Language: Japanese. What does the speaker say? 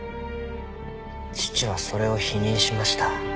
父はそれを否認しました。